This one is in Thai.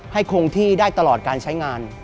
คงที่ได้ตลอดการใช้งาน